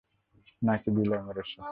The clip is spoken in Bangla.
নাকি বিলা মেরেছো?